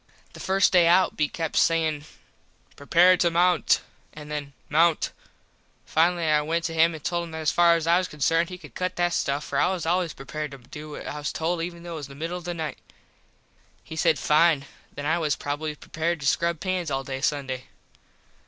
The first day out be kept sayin "Prepare to mount" and then "Mount." Finally I went up to him and told him that as far as I was concerned he could cut that stuff for I was always prepared to do what I was told even though it was the middle of the night. He said, Fine, then I was probably prepared to scrub pans all day Sunday.